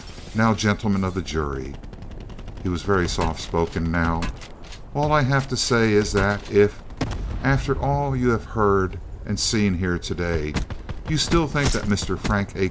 Now, gentlemen of the jury [he was very soft spoken now], all I have to say is that if, after all you have heard and seen here to day, you still think that Mr. Frank A.